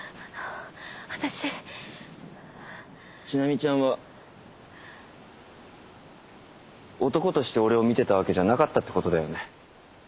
千波ちゃんは男として俺を見てたわけじゃなかったってことだよね。